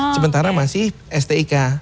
sementara masih stik